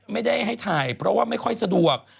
ไม่ได้ให้ถ่ายเพราะว่าไม่ค่อยสะดวก